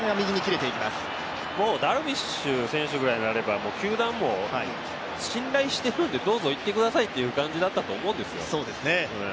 ダルビッシュ選手ぐらいになれば、球団も信頼しているんでどうぞ行ってくださいという感じだったと思うんですよ。